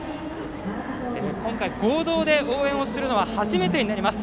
今回、合同で応援をするのは初めてになります。